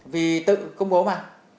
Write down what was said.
vì tự công bố mà